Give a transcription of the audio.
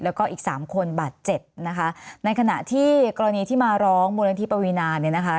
แล้วก็อีกสามคนบาดเจ็บนะคะในขณะที่กรณีที่มาร้องมูลนิธิปวีนาเนี่ยนะคะ